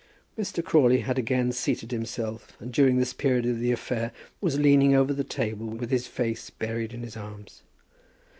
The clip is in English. Mr. Crawley had again seated himself, and during this period of the affair was leaning over the table with his face buried on his arms.